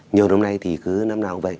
nhiều năm nay thì cứ năm nào